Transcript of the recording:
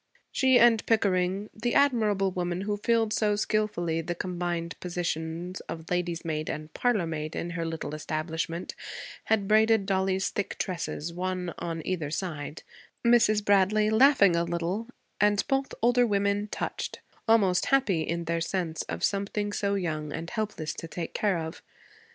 She and Pickering, the admirable woman who filled so skillfully the combined positions of lady's maid and parlormaid in her little establishment, had braided Dollie's thick tresses, one on either side Mrs. Bradley laughing a little and both older women touched, almost happy in their sense of something so young and helpless to take care of.